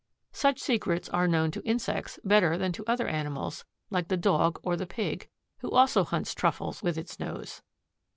Such secrets are known to insects better than to other animals, like the Dog or the Pig, who also hunts truffles with its nose.